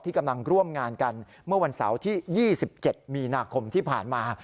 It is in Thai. กำลังร่วมงานกันเมื่อวันเสาร์ที่๒๗มีนาคมที่ผ่านมา